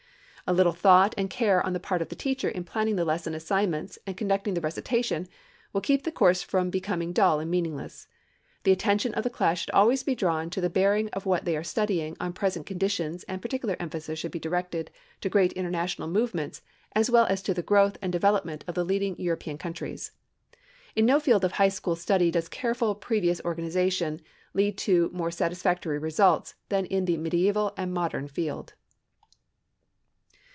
A little thought and care on the part of the teacher in planning the lesson assignments and conducting the recitation will keep the course from becoming dull and meaningless. The attention of the class should always be drawn to the bearing of what they are studying on present conditions and particular emphasis should be directed to great international movements as well as to the growth and development of the leading European countries. In no field of high school study does careful previous organization lead to more satisfactory results than in the medieval and modern field.